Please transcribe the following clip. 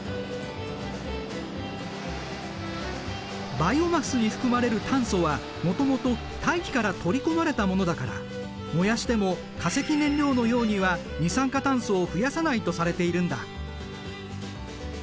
バイオマスに含まれる炭素はもともと大気から取り込まれたものだから燃やしても化石燃料のようには二酸化炭素を増やさないとされているんだ。